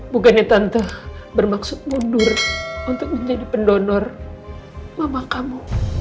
bukannya tante bermaksud mundur untuk menjadi pendonor mama kamu